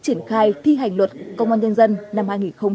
triển khai thi hành luật công an nhân dân năm hai nghìn một mươi tám